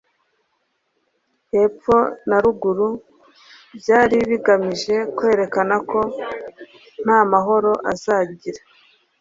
hepfo na ruguru ,byari bigamije kwerekana ko ntamahoro azagira